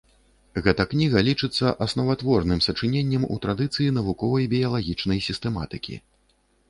Гэта кніга лічыцца асноватворным сачыненнем у традыцыі навуковай біялагічнай сістэматыкі.